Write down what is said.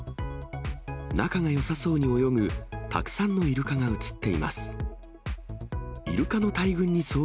仲がよさそうに泳ぐたくさんのイルカが映っています。